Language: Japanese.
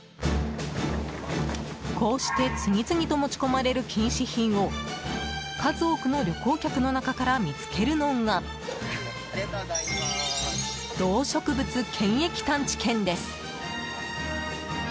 こうして次々と持ち込まれる禁止品を数多くの旅行客の中から見つけるのが動植物検疫探知犬です。